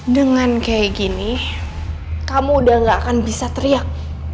dengan kayak gini kamu udah gak akan bisa teriak